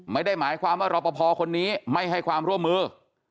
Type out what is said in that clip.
ไม่ได้หมายความว่ารอปภคนนี้ไม่ให้ความร่วมมือ